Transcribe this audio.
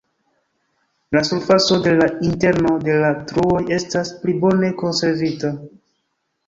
La surfaco de la interno de la truoj estas pli bone konservita.